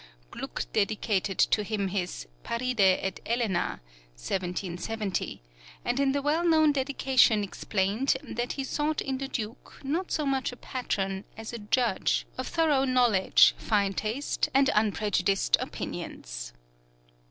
Gluck dedicated to him his "Paride ed Elena" (1770), and in the well known dedication explained that he sought in the Duke, not so much a patron as a judge, of thorough knowledge, fine taste, and unprejudiced opinions.